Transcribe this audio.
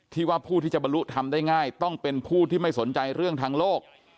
ว่าผู้ที่จะบรรลุทำได้ง่ายต้องเป็นผู้ที่ไม่สนใจเรื่องทางโลก